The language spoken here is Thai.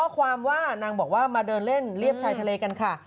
ความว่านางบอกว่ามาเดินเล่นเรียบชายทะเลกันค่ะ